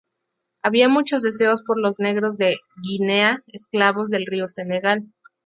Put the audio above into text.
Había mucho deseo por los negros de "Guinea", esclavos del río Senegal.